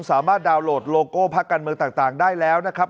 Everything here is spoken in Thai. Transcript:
สามารถดาวน์โหลดโลโก้พักการเมืองต่างได้แล้วนะครับ